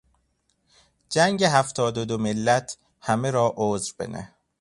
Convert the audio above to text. جنگ هفتاد و دو ملت همه را عذر بنه